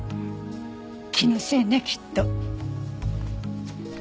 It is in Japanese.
気のせいねきっと。